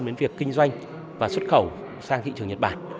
đến việc kinh doanh và xuất khẩu sang thị trường nhật bản